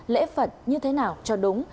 lễ phật như thế nào cho đúng